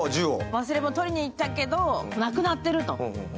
忘れ物取りに行ったけどなくなってる。